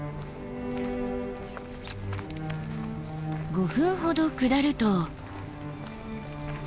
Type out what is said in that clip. ５分ほど下ると。